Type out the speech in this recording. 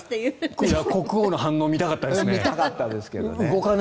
国王の反応見たかったですね。